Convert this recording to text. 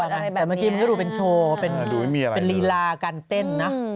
แต่เมื่อกี้มันก็ดูเป็นโชว์เป็นลีลาการเต้นนะ